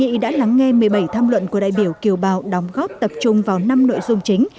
ý đã lắng nghe một mươi bảy tham luận của đại biểu kiều bào đóng góp tập trung vào năm nội dung chính